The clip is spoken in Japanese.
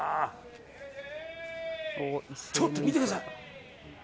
ちょっと見てください。